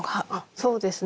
そうですね。